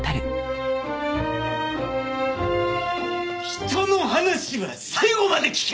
人の話は最後まで聞け！！